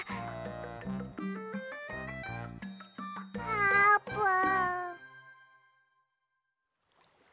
あーぷん。